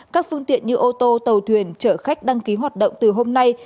các phương tiện như ô tô tàu thuyền chở khách đăng ký hoạt động từ hôm nay